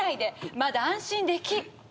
まだ安心でき。